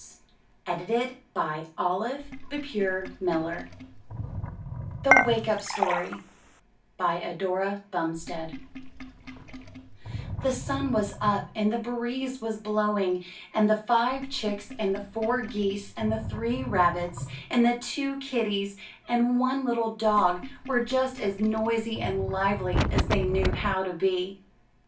— Adapted, » II IN THE NURSERY THE 'WAKE UP'* STORY* Eudora Bumstead The sun was up and the breeze was blowing, and the five chicks and four geese and three rabbits and two kitties and one little dog were just as noisy and lively as they knew how to be.